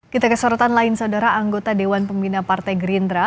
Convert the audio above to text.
kita ke sorotan lain saudara anggota dewan pembina partai gerindra